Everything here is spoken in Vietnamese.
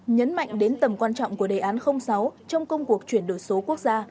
nhấn mạnh đến tầm quan trọng của đề án sáu trong công cuộc chuyển đổi số quốc gia